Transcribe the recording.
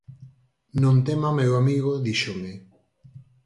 "Non tema meu amigo _díxome_."